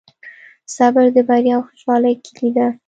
صبر د بریا او خوشحالۍ کیلي ده.